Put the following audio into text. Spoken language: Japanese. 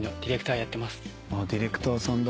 ディレクターさんだ。